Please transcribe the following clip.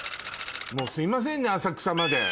すいませんね浅草まで。